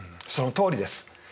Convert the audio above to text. そのとおりです。